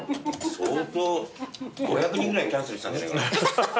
相当５００人ぐらいキャンセルしたんじゃねえかな。